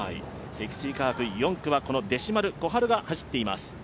積水化学４区は弟子丸小春選手が走っています。